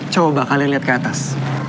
coba kalian lihat ke atas